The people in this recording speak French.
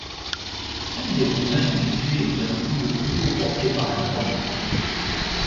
Un des Roumains est tué d'un coup de couteau porté par un Rrom.